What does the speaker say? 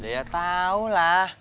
ya tau lah